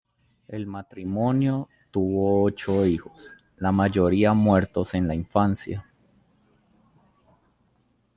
El matrimonio tuvo ochos hijos, la mayoría muertos en la infancia.